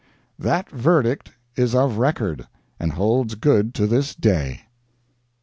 "That verdict is of record, and holds good to this day."